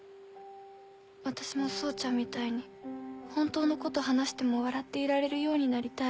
私も草ちゃんみたいに本当のこと話しても笑っていられるようになりたい。